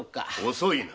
遅いな。